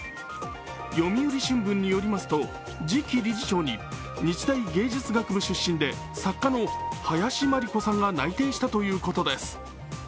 「読売新聞」によりますと、次期理事長に日大芸術学部出身で作家の林真理子さんが内定したということです。